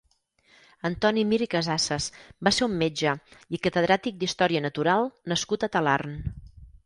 Antoni Mir i Casases va ser un metge i catedràtic d'història natural nascut a Talarn.